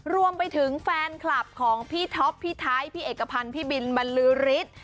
รวมไปถึงแฟนคลับของพี่ท็อปพี่ไทยพี่เอกพันธ์พี่บินบรรลือฤทธิ์